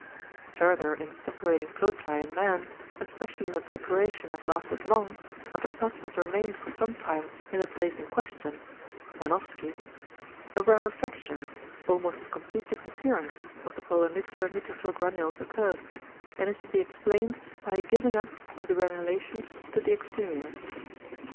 Further in suppurating foci in man, especially when suppuration has lasted long, or the pus has remained for some time in the place in question (Janowski) a rarefaction almost to complete disappearance of the polynuclear neutrophil granules occurs, and is to be explained by a giving up of the granulations to the exterior.